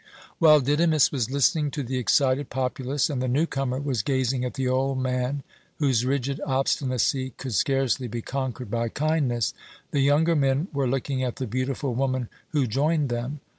While Didymus was listening to the excited populace, and the new comer was gazing at the old man whose rigid obstinacy could scarcely be conquered by kindness, the younger men were looking at the beautiful woman who joined them.